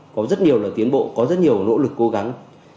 có rất nhiều là tiến bộ có rất nhiều nỗ lực cố gắng